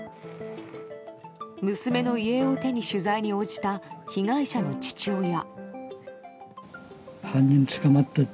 娘の遺影を手に取材に応じた被害者の父親。